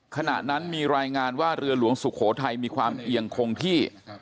ขณะนั้นมีรายงานว่าเรือหลวงสุโขทัยมีความเอียงคงที่